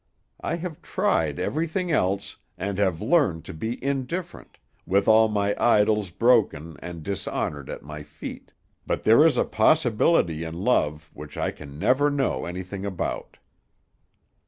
I have tried everything else, and have learned to be indifferent, with all my idols broken and dishonored at my feet; but there is a possibility in love which I can never know anything about."